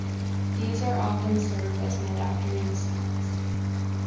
These are often served as mid-afternoon snacks.